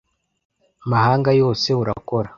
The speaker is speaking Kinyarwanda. mahanga yose urakora